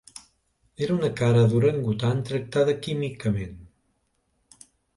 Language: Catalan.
Era una cara d'orangutan tractada químicament.